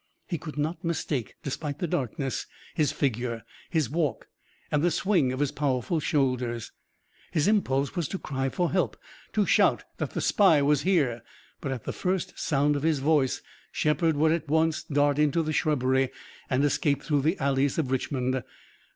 He could not mistake, despite the darkness, his figure, his walk and the swing of his powerful shoulders. His impulse was to cry for help, to shout that the spy was here, but at the first sound of his voice Shepard would at once dart into the shrubbery, and escape through the alleys of Richmond.